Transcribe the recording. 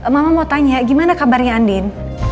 mama mau tanya gimana kabarnya andin